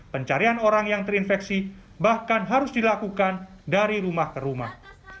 pencarian orang yang terinfeksi bahkan harus dilakukan dari rumah ke rumah